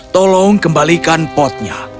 tolong kembalikan potnya